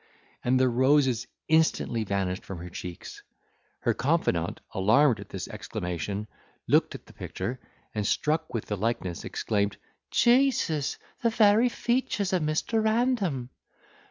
and the roses instantly vanished from her cheeks. Her confidante, alarmed at this exclamation, looked at the picture; and, struck with the likeness, exclaimed, "Jesus! the very features of Mr. Random!"